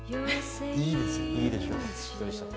いいですね。